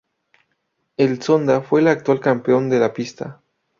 El Zonda fue el actual campeón de la pista.